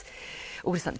小栗さん